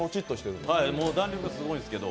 弾力がすごいんですけど。